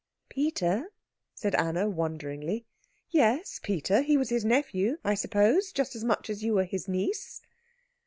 "Peter?" said Anna wonderingly. "Yes, Peter. He was his nephew, I suppose, just as much as you were his niece."